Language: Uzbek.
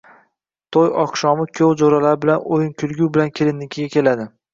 To’y oqshomi kuyov jo’ralari bilan o’yin kulgu bilan kelinnikiga keladi